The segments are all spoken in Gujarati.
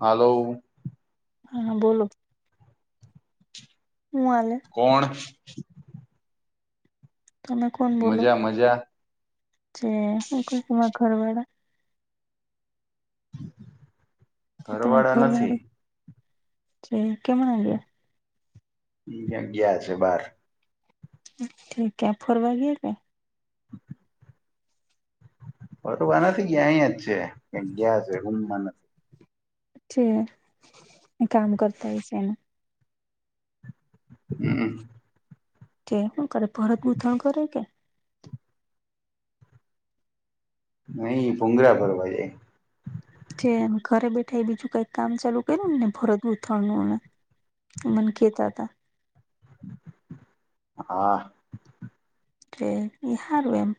હાલો હા બોલો હુ હાલે કોણ તમે કોણ બોલો મજા મજા જે હુ કે તમારા ઘરવાડા તો તમારા ઘરવાળા નથી ઘરવાળી છે કેમ આવિયા ઈ ક્યાંક ગયા છે બહાર ઠીકે કયાં ફરવા ગિયા કે ફરવા નથી ગયા અહીંયા જ છે ક્યાં ગયા હશે રૂમ મા નથી છે કાંઈ કામ કરતા હશે હમ્મ તે હુ કરે ભરત ગૂથણ કરે કે નહી ભૂગરા ભરવા જાય જે ઘરે બેઠા એ બીજું કઈક કામ ચાલુ કર્યું ને ભરત ગૂથણ નુંને મન કેતા તા. હા કે ની હારું એમ,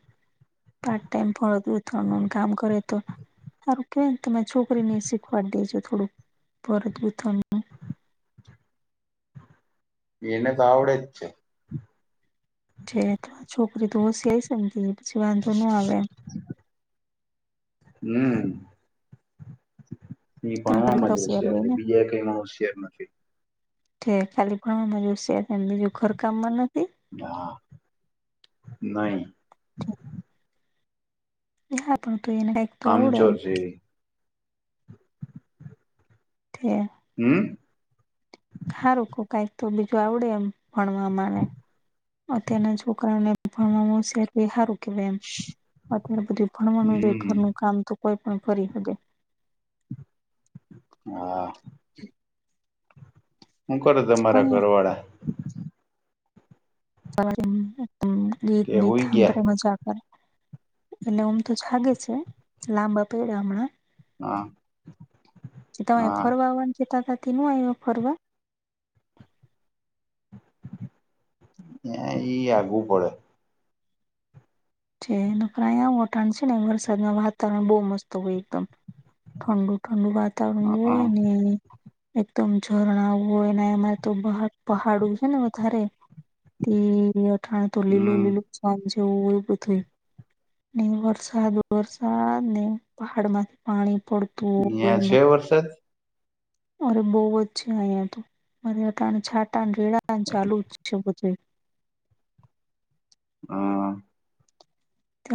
પાર્ટ ટાઈમ બરણ ગુથણ નુ કામ કરે તો. સારું કેવાયને, કે મે છોકરીને શીખવાડી દેજો થોડું, ભરત ગુથણનુ એનેતો આવડે જ છેે. છે, તમાર છોકરી તો હોંશીયાર છેને, પછી વાંધો ન આવે એમ. હમ્મ ઈ એમ ભણવામાં જ હોશિયાર હોય છે, ને બીજા કઈમાં હોશિયાર નથી. થે ખાલી ભણવામાં જ હોશિયાર છે, ને બીજું ઘરકામમાં નથી? ના, નઈ. [unintelligible] તું એને કઈ કામચોર છે ઈ. હે હમ્મ સારું કો કઈક તો બીજું આવડે એમ, ભણવા માને, અત્યારના છોકરાને ભણવાવામાં હોશિયાર તેઈ હારું કેવાય એમ, અત્યારે બધું ભણવાનુંજ હોય, હમ ઘરનું કામ તો કોઈ પણ કરી હકે. હા [inaudible] હું કરે શકે તમારા ઘરવાળા? [unintelligible] કે હુઈ ગયા એટલે ઓમ તો જાગે છે, લાંબા પેડ્યા હમણાં. હા તમે હા ફરવા આવાનું કેતા તા, તે ન આયવા ફરવા? એ એઈ આગુ પડે. છે એનું પ્રયા વઠાણ છેને, વરસાદમાં વાતાવરણ બહુ મસ્ત હોય એકદમ. ઠંડુ ઠંડુ વાતાવરણ હ હોય ને એકદમ ઝરણા હોય, ને એમા તો ભહત પહાડું છે ને વધારે તે અઠાણે તો લીલું હમ લીલું છમ જેવું હોય બ કે, ને વરસાદ વરસાદ ને પહાડ માંથી પાણી પડ ન્યા છે વરસાદ? અરે બહુજ છે અહીંયા તો, અટાણે છાટા રેડાને ચાલુ જ છે બધું. હા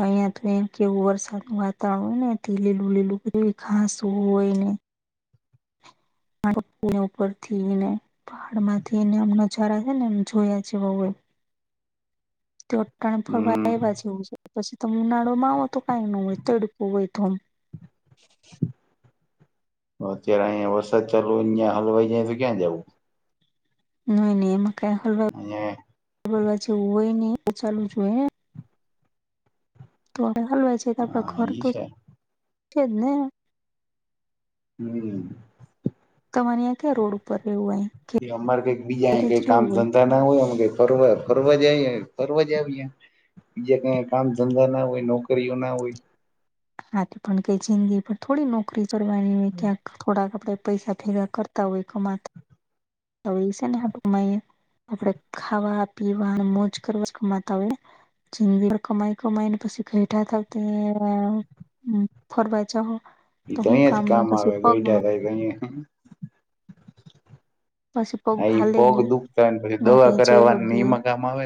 અહીંયા તો એમ કેવું, વરસાદ નુ વાતાવરણ હોયને તે લીલું લીલું એ ઘાસ હોય ને [unintelligible] ઉપર થીને, પહાડ માંથી ને આમ નજારા હેને, એમ જોયા જેવા હોય. તો તાન ફરવા હમ એવા જેવું છે. પછી તમે ઉનાળો માં આવો, તો કંઈ ન હોય તડકો હોય ધોમ. અત્યારે અહિયા વરસાદ ચાલુ, અહીંયા હલવાઈ જાય તો ક્યાં જવું? નઈ નને એમા ક હલવા અહિયે [unintelligible] હોય ને, તો ચાલુજ હોય એ. તોડે હાલવાય છે તો, આપડો હા ઘર ઈ તો, છે છેજ ને. હમ્મ તમારે અહીંયા ક્યા રોડ ઉપર રહેવું હે. એ અમારે કઈક બીજા એ કઈ કામ ધંધા ન ના હોય, મ કે ફરવા, ફરવા જ આઈએ, ફરવા આવીએ. બીજા કઈ કામ ધંધા ના હોય, નોકરીઓ ના હોય. હાતો પણ કઈ જિંદગી પર થોડી નોકરી કરવાની હોય, ક્યાંક થોડાક આપડે પૈસા ભેગા કરતા હોય, કમાતા તો એ છે નેું હારુ કમાયે? આપડે ખાવા, પીવા, ને મોજ કરવાજ કમાતા હોયને. જિંદગી ભર કમાઈ, કમાઈ ને પછી ઘેઠા થાઓ ત્યારે એમ હમ્મ ફરવા જ હો [unintelligible] એ પછી પગ હાલે પગ ની દુખતા પછી નો કે દવા જઈ કરાવવા ઈ હગીએ કામ આવે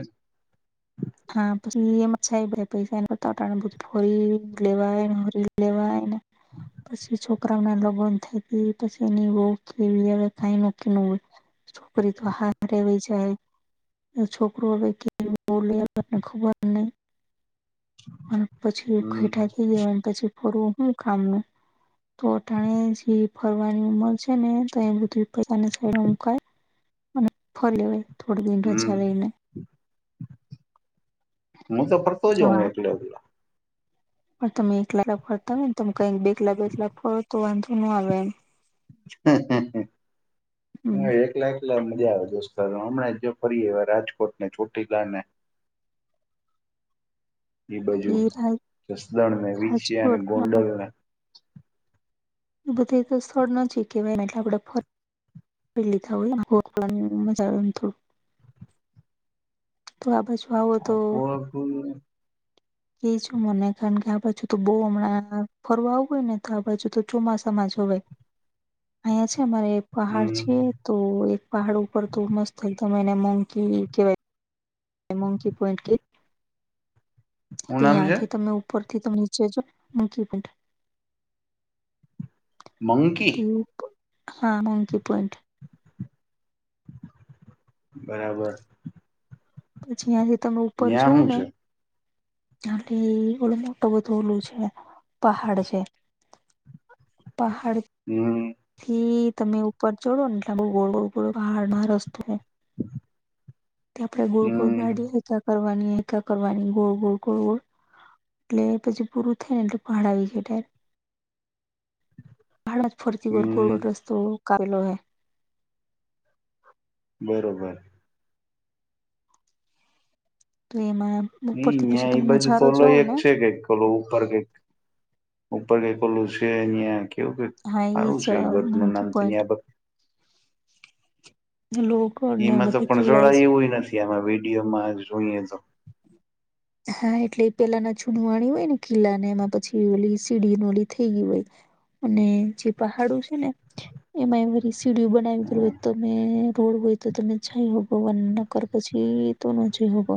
[inaudible] હા પછી એમાંછધ પૈસા એતાાને બધ ફરી લેવાયને ફરી લેવાયને પછી છોકરાઓ ના લોગન થઈ પછી એની કેવી હવે કઈ ન કે ન હોય છોકરી તો હારે વહી જાય છોકરો [unintelligible] ખબરન અને પછી એ હમ ઘેઠા થઈ ગવા પછી ફરવું હું કામ ન તો ટાણે જે ફરવાની ઉંમર છે ને તો એ બધું પૈસાની સાઈડમાં મુકાય ફરી લેવાય થોડી દિન રજા હમ લઈને હું તો ફરતો જઉં વાહ એકલે એકલો પણ તમે એકલા લ ફરતા હોય ને તમે કઈક બેલા બેલાા ફરો તો વાંધો ન આવે એમ હમ [inaudible] એકલા એકલા મજા આવે દોસ્તારો હમણાં જો ફરી એવા રાજકોટ ને ચોટીલા ને એ બાજુ જસદણ મે વિચ અને રાજકોટ ગોંડરોને એ બધું તો સ્થળ ન જ કેહેવાય ને એટલે આપડે ફરી પેલી લીધા હોય [unintelligible] મજા આવે થોડુ તો આ બચવાઓ તો આખું આખું કે છું મને કારણ કે આ બાજુ તો બહુ હમણાં ફરવા આવું હોય ને તો આ બાજુ તો ચોમાસામાં જ હોય અહીંયા છે અમારે પહાડ હમ છે તો એક પહાડ ઉપર તો મસ્ત એકદમ એને મોંઘી કેવાય મીંકી પોઈન્ટ કે હું નામ છે ત્યાંથી તમે ઉપર થી નીચે જો [unintelligible] મંકી તે હા મોંકી પોઈન્ટ બરાબર પછીં જે તમે ઉપર ન્યા જોવો હું ને છે એલી ઓડું મોટું બધો ઓલું છે પહાડ છે પહાડ હમ્મ થી તમે ઉપર ચડો ને એટલે બહુ ગળ ગોડો પહાડમાં રસ્તો [inaudible] આપણે ગોળ ગોળ હમ ગાડી એક ક કરવાની એક કા કરવાની ગોળ ગોળ ગોળ ગોળ એટલે પછી પૂરું થઈ ને એટલે પહાડ આવી જાયે ડાયરેક હાડત ફરતી વર ગોળ હમ રસ્તો કાલો હ બરોબર ને એમા એમ ન ઉપરથી પછી અહં એ તમે બજુ નજારો જોવ સોલોય એક છે કઈક કોલ ઉપર ગ ઉપર કે [unintelligible] હા એ છે મંકી પોઈન્ટ હલો એમાં તો પણ જોડાાય એવું નથી આમાં વિડીયોમાં જોઈએ તો [inaudible] હા એટલે પેલા ના છૂડ વાણી હોય ને ખીલ્લા ને એમાં પછી ઓલી સીડી ન ઓલી થઈ ગય હોય અને જે પહાડો છે ને એમાં સીડીયું બનાવી ગ હોય તો તમે રોડ હોય તો તમે [unintelligible] પછી તો નથી હો.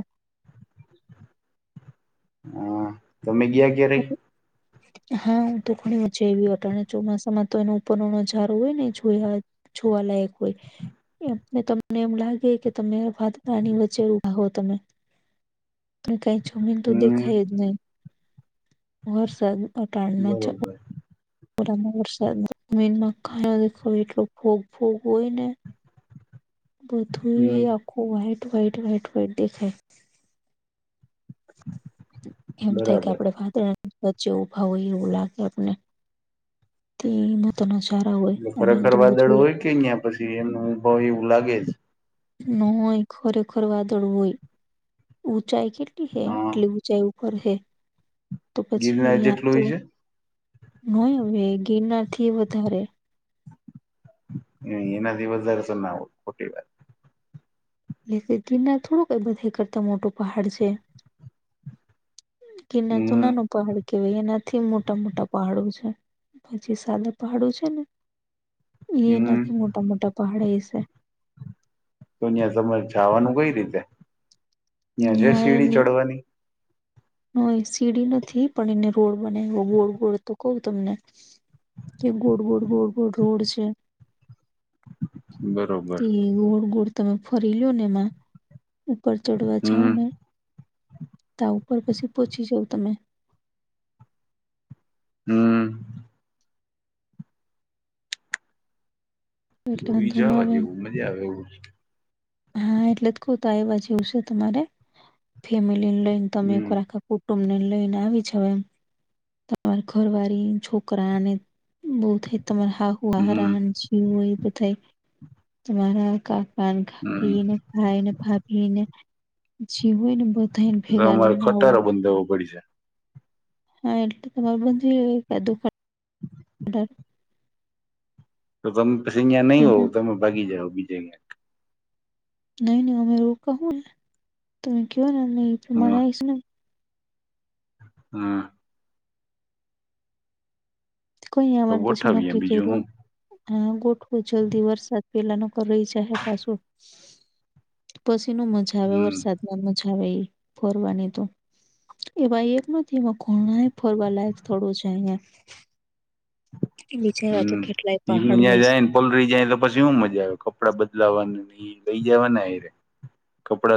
હા તમે ગિયા ક્યારે. [inaudible] હા હું તો ઘણી વજે એવીટ અને ચોમાસામાં તો એનો ઉપર નો નજારો હોય ને જોય. જોવા લાયક હોય. એને તમને એમ લાગે કે તમે [unintelligible] વચ્ચે ઉભા હો તમે. કઈ છોમીન તો હમ દેખાય જ નહી. વરસાદ અટાડના ચ. બરોબર વરસાદ જમીનમાં ખ દે એટલો ભોગ ભોગ હોય ને. બધું હમ આખું વ્હાઈટ વ્હાઈટ વ્હાઈટ વ્હાઈટ દેખાય. એમ થાય કે બરાબર આપડે વાતરની વચ્ચે ઊભા હોય એવું લાગે આપને. એટલે ખરેખર વાદળ [unintelligible] હોય કે અહીં પછી એમનું ભાવ એવું લાગે જ. ન હોય ખરેખર વાદળ હોય. ઊંચાઈ કેટલી હે હા એટલી ઊંચાઈ ઉપર હે. તો ગિરનાર પછી અં જેટલું તો હોય નય હવે ગિરનાર થી વધારે. નાઈ એના થી વધારે [unintelligible] ચોટીલા એટલે ગીરના થોડુંકઈ બધા કરતા મોટું પહાડ છે. ગિરના તો હમ નાનું પહાડ કેવાય એનાથી મોટા મોટા પહાડો છે પછી સાદા પહાડો છે ને. એ હમ નથી મોટા મોટા પહાડ એ છે. તો અહીં તમારે જવાનું કઈ રીતે ત્યાં જે ન્યા સીડી એની ચડવાની. સીડી નથી પણ એને રોડ બનાયો એ ગોળ ગોળ તો કવ તમને. એ ગોડ ગોડ ગોડ ગોડ રોડ છે. બરોબર. એ ગોળ ગોળ તમે ફરી લિયો ને એમાં. ઉપર ચડવા જાવ હમ ને ત ઉપર પછી પોહોચી જાવ તમે. હમ્મ એટલે જોઈ વાંધો ન જવા આવે એમ જેવું મજા આવે એવું. હા એટલે ક તો આવવા જેવું છે તમારે ફેમિલી ને લઈને તમે. હમ ને લઈને આવી જવાય તમાર ઘરવાળી છોકરા અને બહુ થાય તમાર હાહુ હમ હહારા. પવું હોય તો થઈ તમારા કાક ને હમ કાકા ને ભાઈ ને ભાભાભી ને જીવ હોયને બધાયને ભેગા લેને. બંદવો પડી છે. હા એટલે તમારે [unintelligible] દુખ. તો તમે પેસે નિયા નહીં હોવ હું તમે ભાગી જાઓ બીજ્યા. નહી નહી અમે રોકા હુ ને તમે કવોને અ એ પ્રમાણે ક્યાંક આવીશ ને. હ કોઈ તો અમારે પછી ગોઠવીએ નક્કી કર્યું બીજું હું હોયે હા ગોઠવો જલ્દી વરસાદ પેલા ન કર રહી જાહે પાછું. પછી ન મજા આવે હમ વરસાદમાં મજા આવે એ ફરવાની તો. એવા એક નથી એમાં ઘણાય ફરવા લાયક સ્થડો છે અહીંયા વિચારાતું હમ્મ કેટલાય પીમ ને પહાડ હોય. જ્યાં છે. જાય. લ રહી જાય તો પછી શું મજા આવે કપડાં બદલાવા લઈ જવા નેે.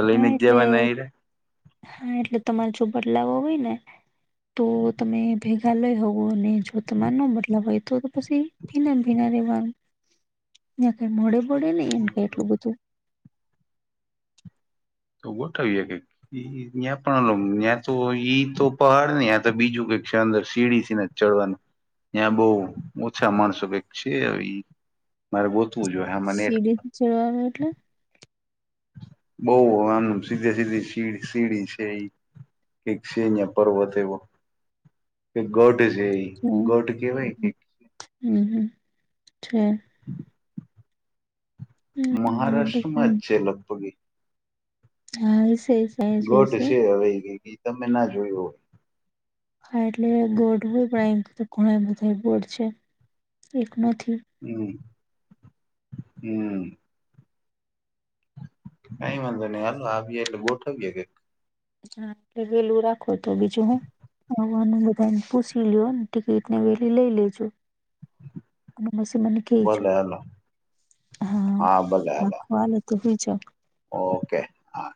હા એટલે હા એટલે તમારે જો બદલાવો હોય ને. તો તમે ભેગ. ચાલય હોવું અને જો તમાર ન બદલાવ હોય તો તો પછી ભીના ભીના રેવાનું. નિયા કઈ નડે ભડે લઈએ ને એટલું બરોબર બધું. તોવ થઈ ગ. એ ત્યાં પણલ ત્યાં તો ઈ તો પહાડ ને ત્યાં તો બીજું કઈક છે અંદર સીડી થી નથી. ચડવાની ત્યાં બહ ઓછા માણસો કક છ ઈ. મારે ગોતવું જોઈએ મને. [unintelligible] એટલે. બહુ એમ સીધે સીધી સી સીડી છે એ. ક છે અહંયા પર્વત એવો કે ગઢ છે. ગોટ કેવાય. હમ્મ હ છે. મહારાષ્ટ્રમાં હમ જ છે લગભગ એ. હા એ છે. ઘટ છે હવે તમે ના જોયું. હા એટલે ગોડ હોય પણ એમ ઘણા બધા ગોડ છે એક નથી. હમ્મ હમ્મ કઈ વાંધો નઈ હાલો આવીએે એટલે બોઠવીયે કે. હ એટલે વેલું રાખો તો બીજું હું. હ બધા એને પૂછી લ ટિકિટને વેલી લઈ લેજો. અને મ મને કેઈ જો ભલે હાલો હા ભલે હાલો રાખ વાાલ તો હોય જ. ઓકે હા.